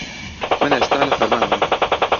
من ئێستا لە فەرمانم.